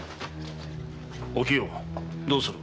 お清どうする？